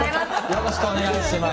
よろしくお願いします。